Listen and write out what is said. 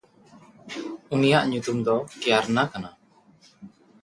ᱩᱱᱤᱭᱟᱜ ᱧᱩᱛᱩᱢ ᱫᱚ ᱠᱮᱭᱟᱨᱱᱟ ᱠᱟᱱᱟ᱾